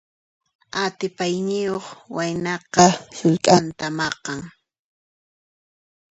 Atipayniyuq waynaqa sullk'anta maqan.